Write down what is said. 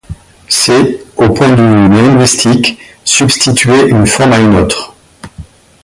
C'est, au point de vue linguistique, substituer une forme à une autre.